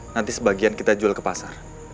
nanti sebagian kita jual ke pasar